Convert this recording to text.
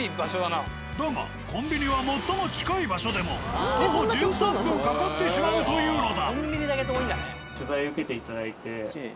だがコンビニは最も近い場所でも徒歩１３分かかってしまうというのだ。